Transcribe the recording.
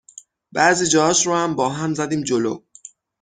بعضی جاهاش رو هم با هم زدیم جلو